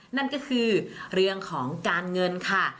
นั่นก็คือเรื่องของการเงินค่ะ